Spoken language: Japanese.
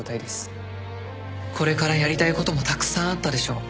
これからやりたいこともたくさんあったでしょう。